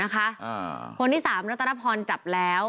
คนที่สามณตรภจับแล้ว